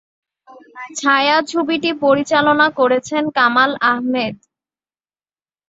ছায়াছবিটি পরিচালনা করেছেন কামাল আহমেদ।